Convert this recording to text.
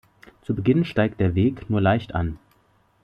Zu Beginn steigt der Weg nur leicht an.